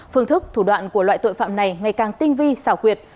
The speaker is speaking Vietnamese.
phương thức thủ đoạn của loại tội phạm này ngày càng tinh vi xảo quyệt